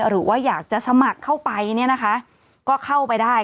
หรือว่าอยากจะสมัครเข้าไปเนี่ยนะคะก็เข้าไปได้